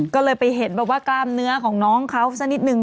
ก็เลยไปเห็นแบบว่ากล้ามเนื้อของน้องเขาสักนิดนึง